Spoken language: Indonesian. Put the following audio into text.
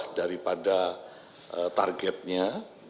ini kita melihat pada targetnya